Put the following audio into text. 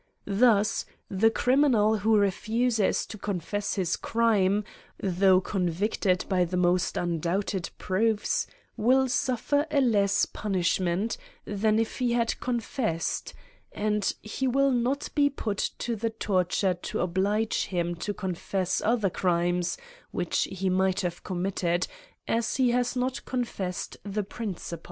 Thus, the criminal who refuses to confess his crime, though convicted by the most undoubted proofs, will suffer a less punishment than if he had confessed ; and he will 70 AN ESSAY ON not be put to the torture to oblige him to confess other crimes which he might have committed, as he has not confessed the principal.